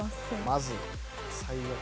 まず最悪。